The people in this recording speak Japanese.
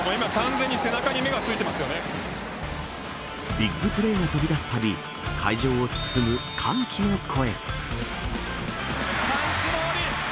ビッグプレーが飛び出す度会場を包む、歓喜の声。